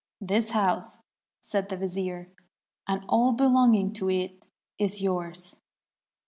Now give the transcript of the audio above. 'This house,' said the vizier, 'and all belonging to it is yours.'